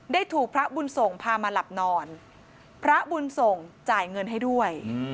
ถูกพระบุญส่งพามาหลับนอนพระบุญส่งจ่ายเงินให้ด้วย